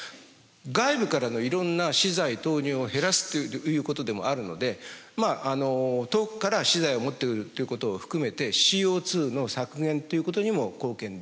外部からのいろんな資材投入を減らすということでもあるので遠くから資材を持ってくるということを含めてＣＯの削減ということにも貢献できると。